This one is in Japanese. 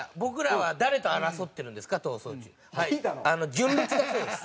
純烈だそうです。